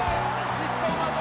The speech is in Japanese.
日本は銅！